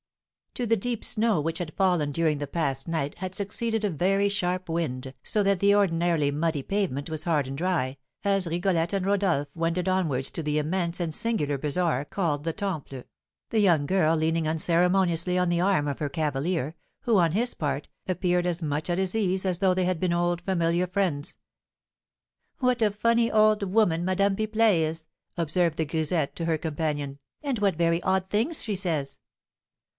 To the deep snow which had fallen during the past night had succeeded a very sharp wind, so that the ordinarily muddy pavement was hard and dry, as Rigolette and Rodolph wended onwards to the immense and singular bazar called the Temple, the young girl leaning unceremoniously on the arm of her cavalier, who, on his part, appeared as much at his ease as though they had been old familiar friends. "What a funny old woman Madame Pipelet is!" observed the grisette to her companion; "and what very odd things she says!"